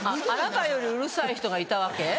あなたよりうるさい人がいたわけ？